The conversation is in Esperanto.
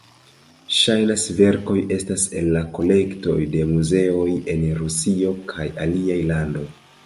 Ŝiaj verkoj estas en la kolektoj de muzeoj en Rusio kaj aliaj landoj.